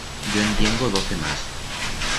Yo en tiengo doce más.